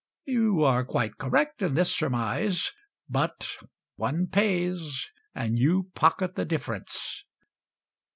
You are quite correct in this surmise. But One pays, And you pocket the difference.